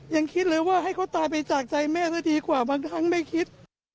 ยังคิดเลยว่าให้เขาตายไปจากใจแม่ซะดีกว่าบางครั้งไม่คิด